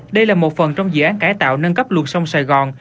đây là một phần trong dự án cải tạo nâng cấp luật sông sài gòn